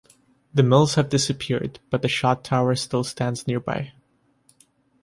The mills have disappeared, but the Shot Tower still stands nearby.